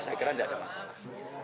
saya kira tidak ada masalah